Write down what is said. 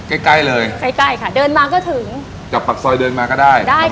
ใกล้ใกล้เลยใกล้ใกล้ค่ะเดินมาก็ถึงจับปากซอยเดินมาก็ได้ได้